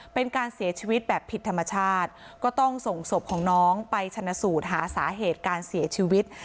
เป็นการเสียชีวิตแบบผิดธรรมชาติก็ต้องส่งศพของน้องไปชนะสูตรหาสาเหตุการเสียชีวิต